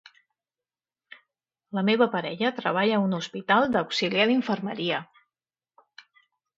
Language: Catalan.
La meva parella treballa a un hospital d'auxiliar d'infermeria.